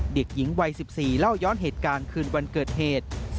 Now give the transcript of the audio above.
เด็กหญิงวัย๑๔เล่าย้อนเหตุการณ์คืนวันเกิดเหตุ